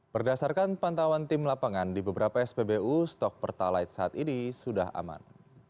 berdasarkan pantauan tim lapangan di beberapa spbu stok pertalite saat ini sudah aman